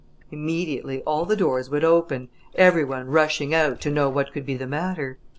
Immediately all the doors would open, every one rushing out to know what could be the matter.